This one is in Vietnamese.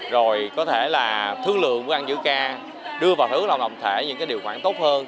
rồi có thể là thương lượng bức ăn giữ ca đưa vào thương lòng đồng thể những điều khoản tốt hơn